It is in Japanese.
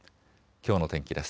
きょうの天気です。